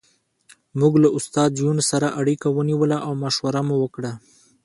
موږ له استاد یون سره اړیکه ونیوله او مشوره مو وکړه